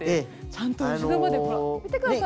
ちゃんと後ろまでほら見て下さい。